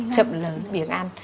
chậm lớn biến ăn